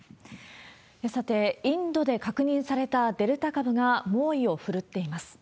さて、インドで確認されたデルタ株が猛威を振るっています。